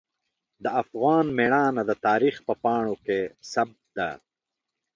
د افغان میړانه د تاریخ په پاڼو کې ثبت ده.